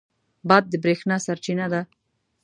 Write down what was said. باد د برېښنا سرچینه ده.